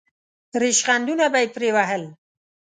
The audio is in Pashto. ریشخندونه به یې پرې وهل.